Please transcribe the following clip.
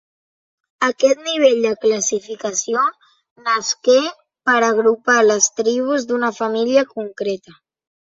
Aquest nivell de classificació nasqué per agrupar les tribus d'una família concreta.